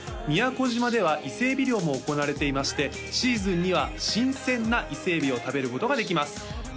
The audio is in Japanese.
宮古島では伊勢エビ漁も行われていましてシーズンには新鮮な伊勢エビを食べることができます